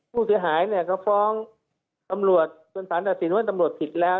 ผู้เสียหายเนี่ยเขาฟ้องตำรวจจนสารตัดสินว่าตำรวจผิดแล้ว